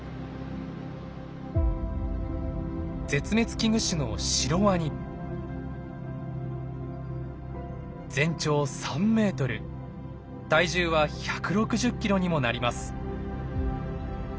絶滅危惧種の全長３メートル体重は１６０キロにもなります。